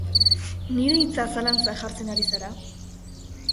Nire hitza zalantzan jartzen ari zara?